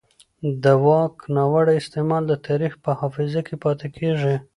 د واک ناوړه استعمال د تاریخ په حافظه کې پاتې کېږي